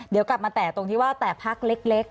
เดี๋ยวกลับมาแต่ตรงที่ว่าแต่พักเล็ก